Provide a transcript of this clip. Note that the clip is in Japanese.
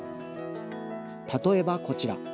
例えばこちら。